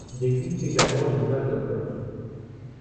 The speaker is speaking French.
Il existe également une image Docker.